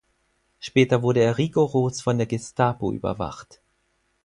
Später wurde er rigoros von der Gestapo überwacht.